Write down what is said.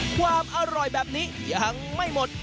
ความอร่อยแบบนี้ยังไม่หมด